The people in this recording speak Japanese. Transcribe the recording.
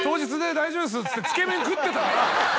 っつってつけ麺食ってたから。